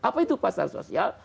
apa itu pasar sosial